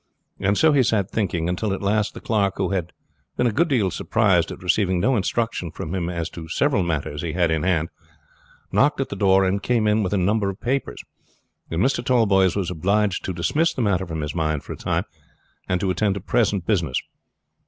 And so he sat thinking, until at last the clerk, who had been a good deal surprised at receiving no instruction from him as to several matters he had in hand, knocked at the door, and came in with a number of papers, and Mr. Tallboys was obliged to dismiss the matter from his mind for a time, and to attend to present business.